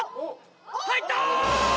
入った！